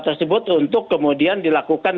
tersebut untuk kemudian dilakukan